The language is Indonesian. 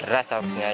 ras arusnya ya